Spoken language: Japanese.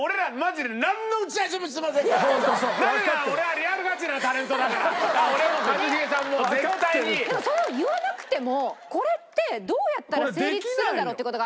でもそれを言わなくてもこれってどうやったら成立するんだろうって事が。